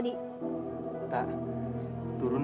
dull because khan